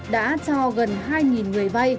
đã cho gần hai người vay